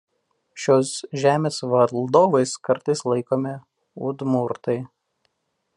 Šios žemės valdovais kartais laikomi udmurtai.